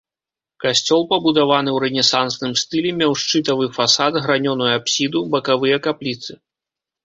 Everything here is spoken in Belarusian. Касцёл, пабудаваны ў рэнесансным стылі, меў шчытавы фасад, гранёную апсіду, бакавыя капліцы.